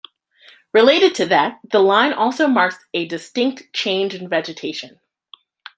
Related to that, the line also marks a distinct change in vegetation.